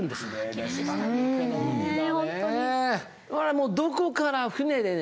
もうどこから船でね